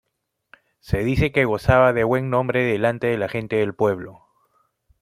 Se dice que gozaba de buen nombre delante de la gente del pueblo.